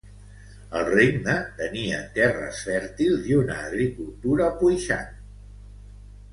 El regne tenia terres fèrtils i una agricultura puixant.